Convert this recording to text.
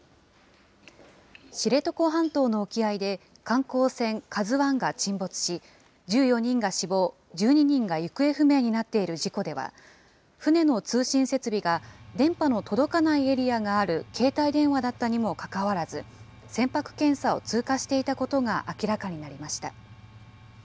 知床半島の沖合で観光船ＫＡＺＵＩが沈没し、１４人が死亡、１２人が行方不明になっている事故では、船の通信設備が電波の届かないエリアがある携帯電話だったにもかかわらず、船舶検査を通過していたことが明らかになりました。